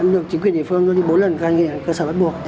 em được chính quyền địa phương bốn lần cao nghiện cơ sở bắt buộc